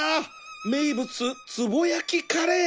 名物つぼ焼きカレー